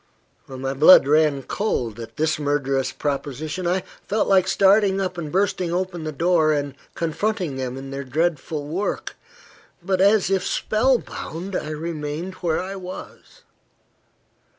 My blood ran cold at this murderous proposition. I felt like starting up, bursting open the door, and confronting them in their dreadful work. But, as if spell bound, I remained where I was.